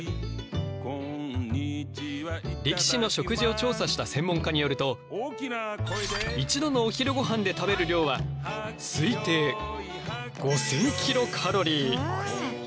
力士の食事を調査した専門家によると一度のお昼ごはんで食べる量は推定５，０００ｋｃａｌ。